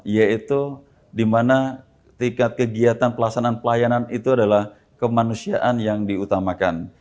yaitu di mana tingkat kegiatan pelaksanaan pelayanan itu adalah kemanusiaan yang diutamakan